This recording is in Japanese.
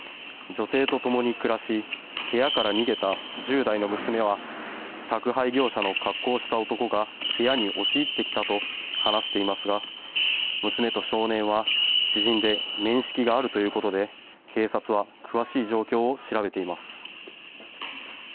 女性と共に暮らし部屋から逃げた１０代の娘は宅配業者の格好をした男が部屋に押し入ってきたと話していますが娘と少年は知人で面識があるということで警察は詳しい状況を調べています